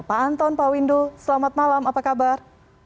pak anton pak windu selamat malam apa kabar